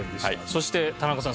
そして田中さん。